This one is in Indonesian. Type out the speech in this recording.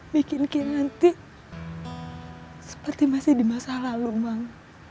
bikin kinanti seperti masih di masa lalu mang